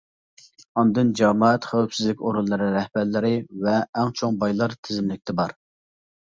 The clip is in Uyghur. ئاندىن جامائەت خەۋپسىزلىك ئورۇنلىرى رەھبەرلىرى ۋە ئەڭ چوڭ بايلار تىزىملىكتە بار.